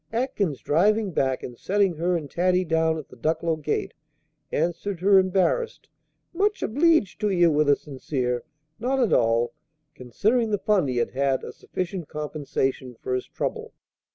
Atkins, driving back, and setting her and Taddy down at the Ducklow gate, answered her embarrassed "Much obleeged to ye," with a sincere "Not at all," considering the fun he had had a sufficient compensation for his trouble.